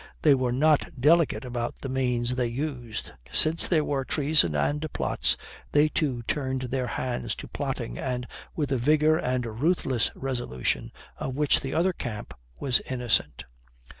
They were not delicate about the means they used. Since there were treason and plots, they too turned their hands to plotting and with a vigour and ruthless resolution of which the other camp was innocent.